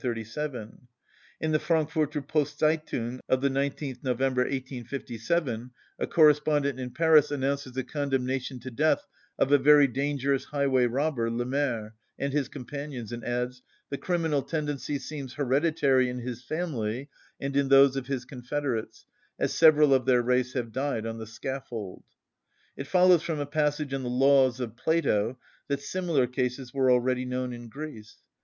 In the Frankfurter Postzeitung of the 19th November 1857 a correspondent in Paris announces the condemnation to death of a very dangerous highway robber, Lemaire, and his companions, and adds: "The criminal tendency seems hereditary in his family and in those of his confederates, as several of their race have died on the scaffold." It follows from a passage in the Laws of Plato that similar cases were already known in Greece (Stob. Flor., vol. ii. p. 213).